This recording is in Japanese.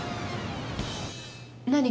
何か？